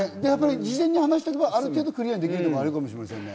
事前に話しておけば、ある程度クリアできることもあるかもしれませんね。